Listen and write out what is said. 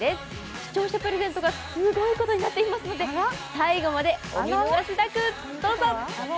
視聴者プレゼントがすごいことになっていますので最後までお見逃しなくどうぞ。